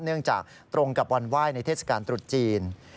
เนื่องจากตรงกับวันไหว้ในเทศกาลตรุษจีน